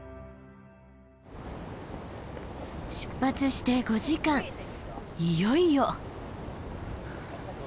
出発して５時間いよいよ！